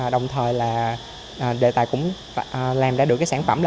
đồng thời đề tài cũng làm ra được sản phẩm này là